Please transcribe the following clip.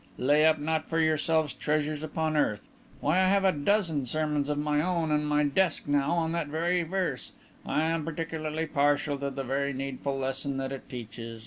'Lay not up for yourselves treasures upon earth ' Why, I have a dozen sermons of my own in my desk now on that very verse. I'm particularly partial to the very needful lesson that it teaches.